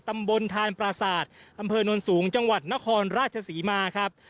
ตำบลทานปราศาสตร์อำเภอนวลสูงจังหวัดนครราชศรีมาครับ